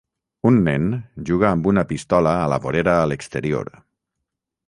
Un nen juga amb una pistola a la vorera a l'exterior.